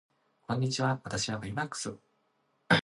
こんにちは私はベイマックス